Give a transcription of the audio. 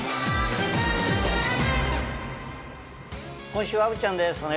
今週は虻ちゃんです